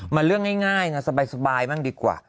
มันเรื่องง่ายนะสบายบ้างดีกว่า